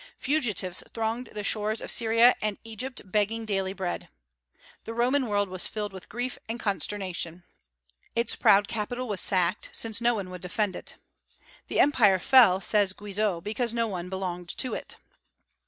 Fugitives thronged the shores of Syria and Egypt, begging daily bread. The Roman world was filled with grief and consternation. Its proud capital was sacked, since no one would defend it. "The Empire fell," says Guizot, "because no one belonged to it."